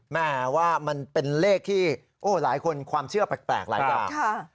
แม่ว่ามันเป็นเลขที่หลายคนความเชื่อแปลกหลายอย่าง